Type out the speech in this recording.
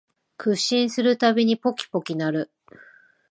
屈伸するたびにポキポキ鳴る